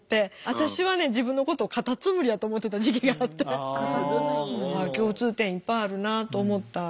私はね自分のことをカタツムリやと思ってた時期があって共通点いっぱいあるなと思ったんですけど。